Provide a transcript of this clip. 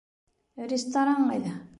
Ресторан ҡайҙа?